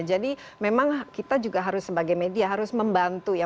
memang kita juga harus sebagai media harus membantu ya